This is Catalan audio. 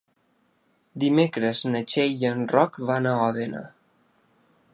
Dimecres na Txell i en Roc van a Òdena.